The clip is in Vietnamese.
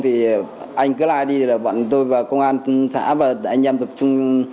thì anh cứ la đi bọn tôi và công an xã và anh em tập trung